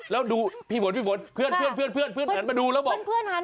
แล้วดูพี่โหยนพี่โหยนเพื่อนมาดูแล้วบอก